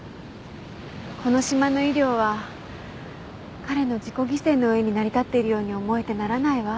この島の医療は彼の自己犠牲の上に成り立っているように思えてならないわ。